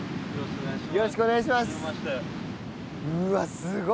よろしくお願いします。